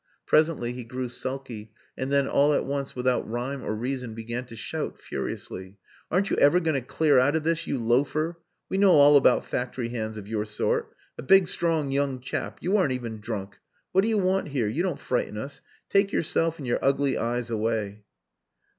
Presently he grew sulky, and then all at once without rhyme or reason began to shout furiously. "Aren't you ever going to clear out of this, you loafer? We know all about factory hands of your sort. A big, strong, young chap! You aren't even drunk. What do you want here? You don't frighten us. Take yourself and your ugly eyes away."